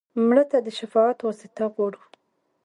مړه ته د شفاعت واسطه غواړو